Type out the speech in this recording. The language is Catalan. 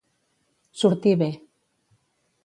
Sortir bé.